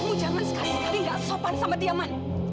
kamu jangan sekali sekali nggak sopan sama dia man